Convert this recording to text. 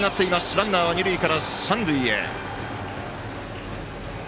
ランナーは二塁から三塁へ。